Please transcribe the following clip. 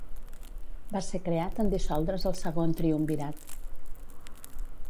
Va ser creat en dissoldre's el Segon Triumvirat.